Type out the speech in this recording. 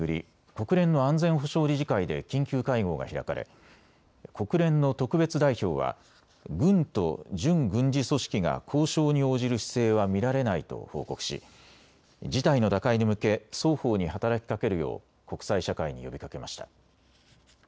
国連の安全保障理事会で緊急会合が開かれ国連の特別代表は軍と準軍事組織が交渉に応じる姿勢は見られないと報告し事態の打開に向け双方に働きかけるよう国際社会に呼びかけました。